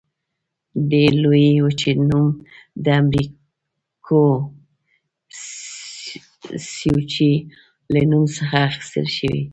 دې لویې وچې نوم د امریکو سپوچي له نوم څخه اخیستل شوی.